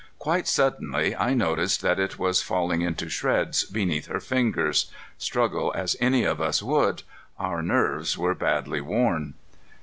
Quite suddenly, I noticed that it was falling into shreds beneath her fingers. Struggle as any of us would, our nerves were badly worn.